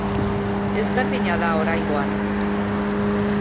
Ezberdina da oraingoan.